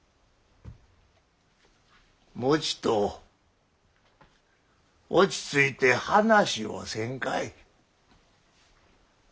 もうちっと落ち着いて話をせんかえ。